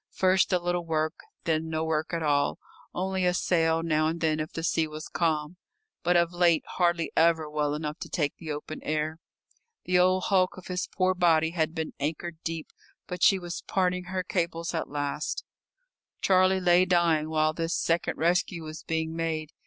First a little work, then no work at all, only a sail now and then if the sea was calm, but of late hardly ever well enough to take the open air. The old hulk of his poor body had been anchored deep, but she was parting her cables at last. Charlie lay dying while this second rescue was being made.